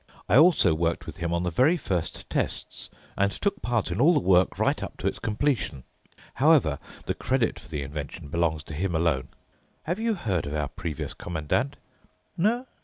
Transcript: I also worked with him on the very first tests and took part in all the work right up to its completion. However, the credit for the invention belongs to him alone. Have you heard of our previous Commandant? No?